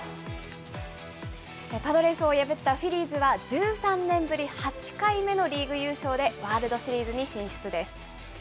パドレスを破ったフィリーズは、１３年ぶり８回目のリーグ優勝で、ワールドシリーズに進出です。